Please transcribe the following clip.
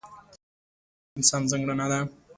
دا وړتیا د انسان ځانګړنه ده.